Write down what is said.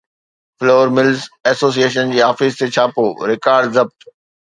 floor mills association جي office تي ڇاپو، رڪارڊ ضبط